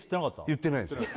言ってないです